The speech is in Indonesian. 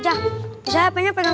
ah nggak mau pesek